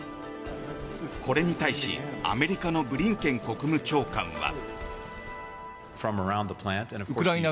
これに対し、アメリカのブリンケン国務長官は。